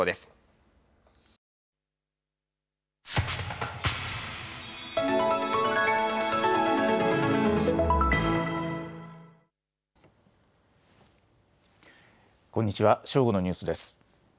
正午のニュースです。